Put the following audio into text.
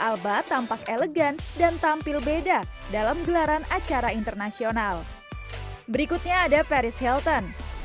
alba tampak elegan dan tampil beda dalam gelaran acara internasional berikutnya ada paris hilton